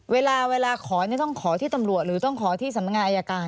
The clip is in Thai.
เวลาขอต้องขอที่ตำรวจหรือต้องขอที่สำนักงานอายการ